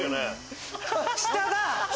下だ！